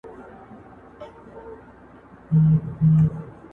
د پښې پر شېله راوړل سو